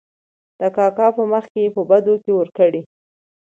د کاکا په مخکې په بدو کې ور کړې .